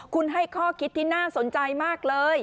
คุณให้ข้อคิดที่น่าสนใจมากเลย